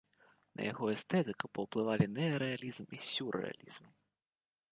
На яго эстэтыку паўплывалі неарэалізм і сюррэалізм.